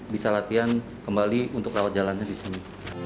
bisa latihan kembali untuk rawat jalannya di sini